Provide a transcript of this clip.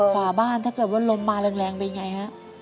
ฝ่าบ้านถ้าเกิดว่าลมมาแรงเป็นยังไงครับ